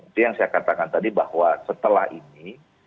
itu yang saya katakan tadi bahwa setelah ini